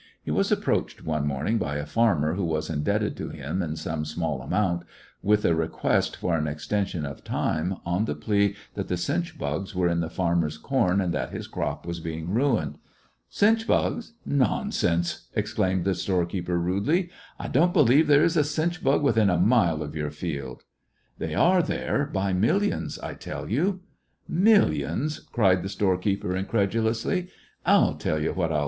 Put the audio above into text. He was approached one morning by a farmer who was indebted to him in some small amount, with a request for an extension of time, on the plea that the chinch bugs were in the farmer's corn and that his crop was being ruined. "Chinch bugs ! Nonsense 1 " exclaimed the storekeeper, rudely. "I don't believe there is a chinch bug within a mile of your field." "They are there by millions, I tell you." "Millions !" cried the storekeeper, incredu lously. "I '11 tell you what I 'U do.